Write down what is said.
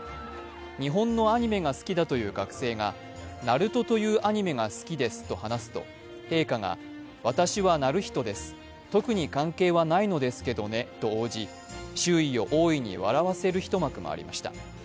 日本のアニメが好きだという学生が、「ＮＡＲＵＴＯ」というアニメが好きですと話すと陛下が、私はナルヒトです、特に関係はないのですけどねと応じ周囲を大いに笑わせる一幕もありました。